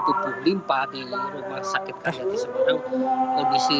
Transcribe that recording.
tubuh limpa di rumah sakit kandang di sebarang kondisi